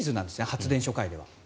発電所界では。